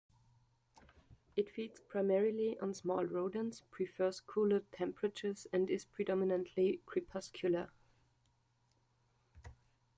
It feeds primarily on small rodents, prefers cooler temperatures, and is predominately crepuscular.